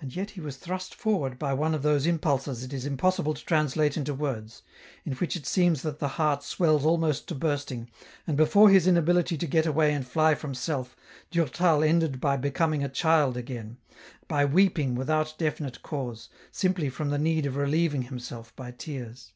And yet he was thrust forward by one of those impulses it is impossible to translate into words, in which it seems that the heart swells almost to bursting, and before his inability to get away and fly from self, Durtal ended by becoming a child again, by weeping without definite cause, simply from the need of relieving himself by tears.